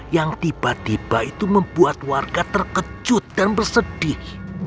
yang tiba tiba itu membuat warga terkejut dan bersedih